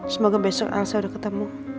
semoga besok elsa udah ketemu